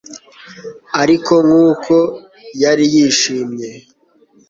Ariko nkuko yari yishimye